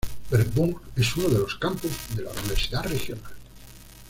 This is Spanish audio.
Bernburg es uno de los campus de la universidad regional.